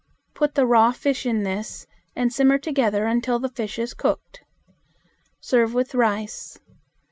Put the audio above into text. Put the raw fish in this and simmer together until the fish is cooked. Serve with rice.